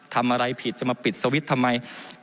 ทำอะไรผิดจะมาปิดสวิตช์ทำไม